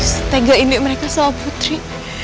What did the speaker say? setega ini mereka sama putri